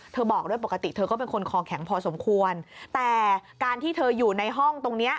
บอกด้วยปกติเธอก็เป็นคนคอแข็งพอสมควรแต่การที่เธออยู่ในห้องตรงเนี้ย